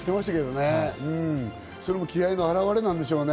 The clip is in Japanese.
気合いの表れなんでしょうね。